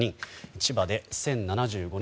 千葉で１０７５人。